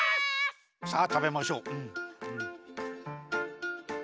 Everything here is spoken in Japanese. さあ食べましょう。